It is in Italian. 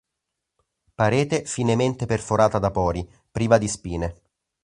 Parete finemente perforata da pori, priva di spine.